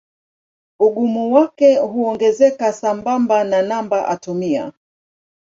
Ugumu wake huongezeka sambamba na namba atomia.